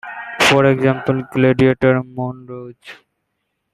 For example, "Gladiator", "Moulin Rouge!